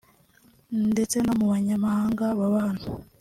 ndetse no mu banyamahanga baba hano”